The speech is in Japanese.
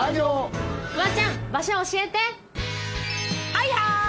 はいはい！